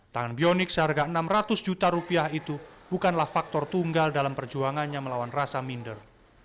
tangan bionik seharga enam ratus juta rupiah itu bukanlah faktor tunggal dalam perjuangannya melawan rasa minder